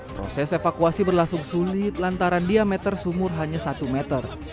proses evakuasi berlangsung sulit lantaran diameter sumur hanya satu meter